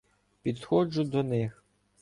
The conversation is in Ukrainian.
Підходжу до них.